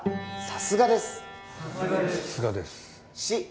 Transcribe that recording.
さすがです「し」